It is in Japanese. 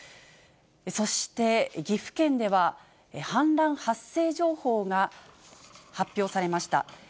そして岐阜県では、氾濫発生情報が発表されました。